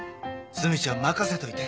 須美ちゃん任せといて。